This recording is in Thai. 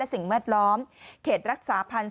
สิ่งแวดล้อมเขตรักษาพันธ์